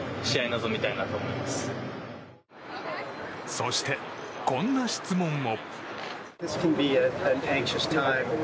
そして、こんな質問も。